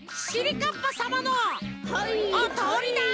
かっぱさまのおとおりだい！